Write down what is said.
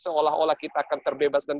seolah olah kita akan terbebas dan